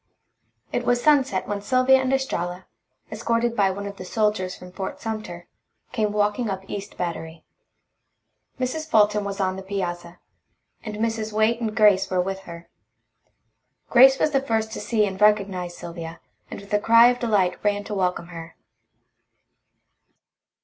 It was sunset when Sylvia and Estralla, escorted by one of the soldiers from Fort Sumter, came walking up East Battery. Mrs. Fulton was on the piazza, and Mrs. Waite and Grace were with her. Grace was the first to see and recognize Sylvia, and with a cry of delight ran to welcome her.